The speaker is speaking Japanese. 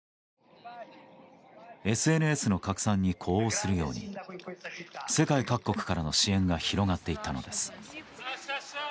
ＳＮＳの拡散に呼応するように世界各国からの支援が広がっていったのです。